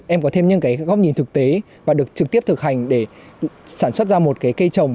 em có thêm những cái góc nhìn thực tế và được trực tiếp thực hành để sản xuất ra một cái cây trồng